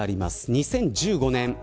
２０１５年です。